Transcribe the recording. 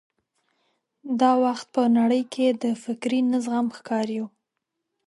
دا وخت په نړۍ کې د فکري نه زغم ښکار یو.